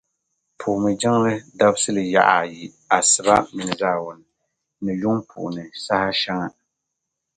Puhimi jiŋli dabsili yaɣa ayi asiba mini zaawuni, ni yuŋ puuni saha shεŋa.